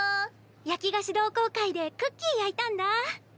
焼き菓子同好会でクッキー焼いたんだ。